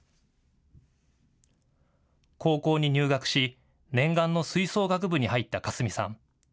高校に入学し念願の吹奏楽部に入った香澄さん。